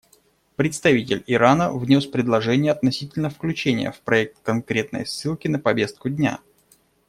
Представитель Ирана внес предложение относительно включения в проект конкретной ссылки на повестку дня.